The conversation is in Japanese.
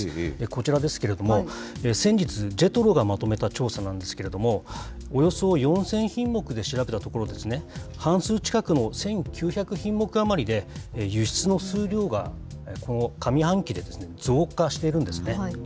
こちらですけれども、先日、ジェトロがまとめた調査なんですけれども、およそ４０００品目で調べたところ、半数近くの１９００品目あまりで、輸出の数量が、この上半期で増加しているんですね。